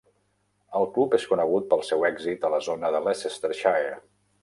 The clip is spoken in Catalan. El club és conegut pel seu èxit a la zona de Leicestershire.